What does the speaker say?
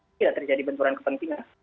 tidak terjadi benturan kepentingan